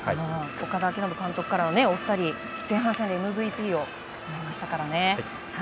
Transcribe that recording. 岡田監督からはお二人前半戦のＭＶＰをもらいましたからね。